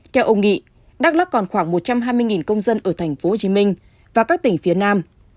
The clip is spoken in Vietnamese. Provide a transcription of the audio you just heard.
theo ông nghị đắk lắc còn khoảng một trăm hai mươi công dân ở thành phố hồ chí minh và các tỉnh phía nam